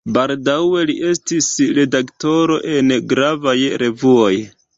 Baldaŭe li estis redaktoro en gravaj revuoj.